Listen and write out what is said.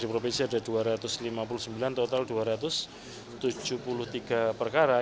tujuh provinsi ada dua ratus lima puluh sembilan total dua ratus tujuh puluh tiga perkara